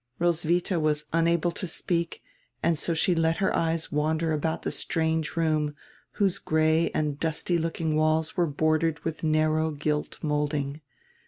Roswitha was unable to speak, and so she let her eyes wander around the strange room, whose gray and dusty looking walls were bordered with narrow gilt molding.